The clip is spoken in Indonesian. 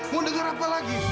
mau dengar apa lagi